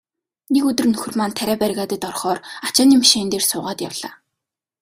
Нэг өдөр нөхөр маань тариа бригад орохоор ачааны машин дээр суугаад явлаа.